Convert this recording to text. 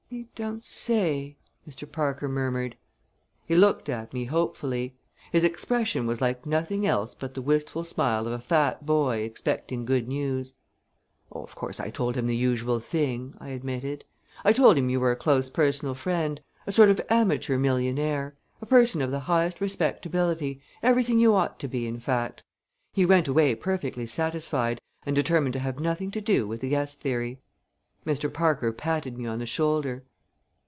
"You don't say!" Mr. Parker murmured. He looked at me hopefully. His expression was like nothing else but the wistful smile of a fat boy expecting good news. "Oh, of course I told him the usual thing!" I admitted. "I told him you were a close personal friend; a sort of amateur millionaire; a person of the highest respectability everything you ought to be, in fact. He went away perfectly satisfied and determined to have nothing to do with the guest theory." Mr. Parker patted me on the shoulder.